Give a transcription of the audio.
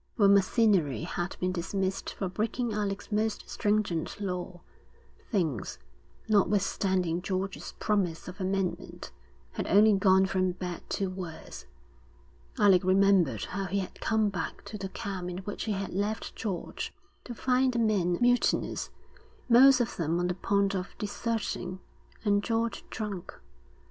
When Macinnery had been dismissed for breaking Alec's most stringent law, things, notwithstanding George's promise of amendment, had only gone from bad to worse. Alec remembered how he had come back to the camp in which he had left George, to find the men mutinous, most of them on the point of deserting, and George drunk.